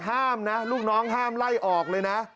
ห้ามนะลูกน้องห้ามไล่ออกเลยนะ